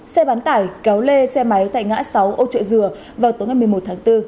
xe bán tải kéo lê xe máy tại ngã sáu âu trợ dừa vào tối ngày một mươi một tháng bốn